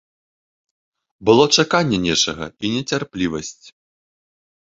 Было чаканне нечага і нецярплівасць.